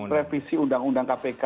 revisi undang undang kpk